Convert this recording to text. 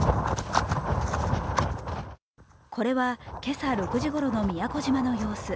これは今朝６時ごろの宮古島の様子。